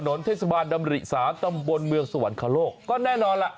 ถนนเทศบาลดำริ๓ตำบลเมืองสวรรคโลกก็แน่นอนล่ะ